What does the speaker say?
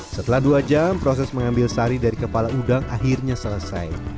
setelah dua jam proses mengambil sari dari kepala udang akhirnya selesai